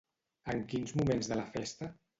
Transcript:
En quins moments de la festa?